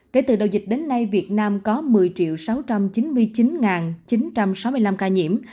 kể từ đầu dịch đến nay việt nam có một mươi sáu trăm chín mươi chín chín trăm sáu mươi năm ca nhiễm